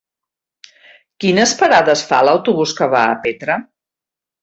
Quines parades fa l'autobús que va a Petra?